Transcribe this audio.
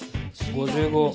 ５５。